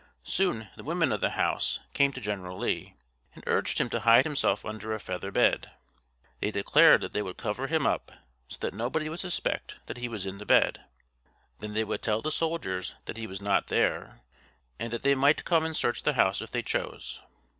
Soon the women of the house came to General Lee, and urged him to hide himself under a feather bed. They declared that they would cover him up so that nohody would suspect that he was in the bed; then they would tell the soldiers that he was not there, and that they might come and search the house if they chose.